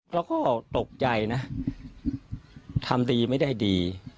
เราก็ตกใจนะทำดีไม่ได้ดี